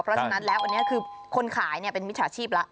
เพราะฉะนั้นแล้วอันนี้คือคนขายเป็นมิจฉาชีพแล้ว